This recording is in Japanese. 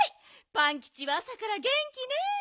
パンキチはあさからげんきね。